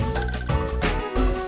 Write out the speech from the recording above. gak ada kesana